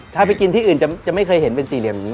ถ้าไปกินที่อื่นจะไม่เคยเห็นเป็นสี่เหลี่ยมอย่างนี้